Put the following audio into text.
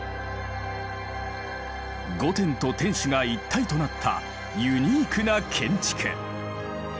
御殿と天守が一体となったユニークな建築。